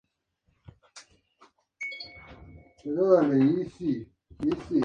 Antiguamente se celebraba una romería de bastante concurso.